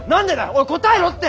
おい答えろって！